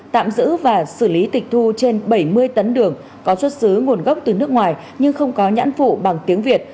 tạm giữ và xử lý tịch thu trên bảy mươi tấn đường có xuất xứ nguồn gốc từ nước ngoài nhưng không có nhãn phụ bằng tiếng việt